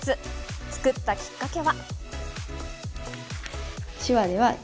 作ったきっかけは。